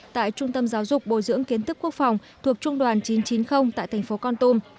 tại trung tâm giáo dục bồi dưỡng kiến tức quốc phòng thuộc trung đoàn chín trăm chín mươi tại thành phố con tum